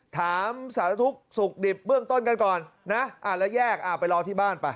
ถามสารทุกข์สุขดิบเบื้องต้นกันก่อนนะแล้วแยกไปรอที่บ้านไป